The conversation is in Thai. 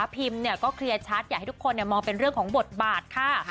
พิมก็เคลียร์ชัดอยากให้ทุกคนมองเป็นเรื่องของบทบาทค่ะ